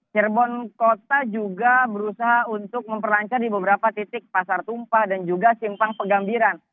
cirebon kota juga berusaha untuk memperlancar di beberapa titik pasar tumpah dan juga simpang pegambiran